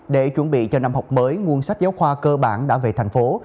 để chuẩn bị cho năm học mới nguồn sách giáo khoa cơ bản đã về thành phố